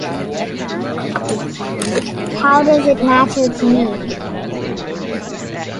How does it matter to me?